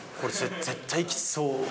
絶対きつそう。